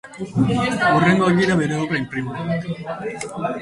Hurrengoak dira bere obra inprimatuak.